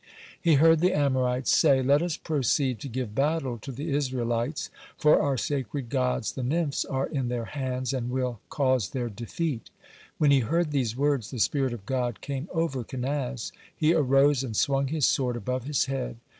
He heard the Amorites say: "Let us proceed to give battle to the Israelites, for our sacred gods, the nymphs, are in their hands, and will cause their defeat." When he heard these words, the spirit of God came over Kenaz. He arose and swung his sword above his head.